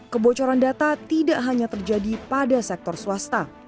kebocoran data tidak hanya terjadi pada sektor swasta